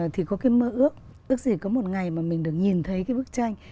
thì có cái mơ ước ước gì có một ngày mà mình được nhìn thấy cái bức tranh